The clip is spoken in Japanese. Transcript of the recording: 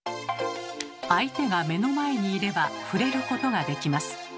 相手が目の前にいれば触れることができます。